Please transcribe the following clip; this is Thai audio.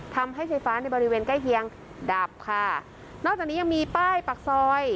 ทำให้ไฟฟ้าในบริเวณใกล้เคียงดับค่ะนอกจากนี้ยังมีป้ายปากซอย